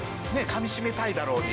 かみしめたいだろうに。